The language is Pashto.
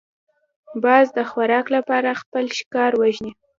باز د خوراک لپاره خپل ښکار وژني